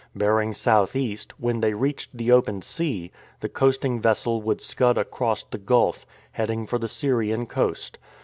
Bearing south east, when they reached the open sea, the coasting vessel would scud across the gulf, heading for the Syrian coast.